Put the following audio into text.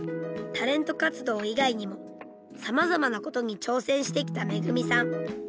タレント活動以外にもさまざまなことに挑戦してきたＭＥＧＵＭＩさん。